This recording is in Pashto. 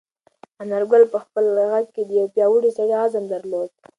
انارګل په خپل غږ کې د یو پیاوړي سړي عزم درلود.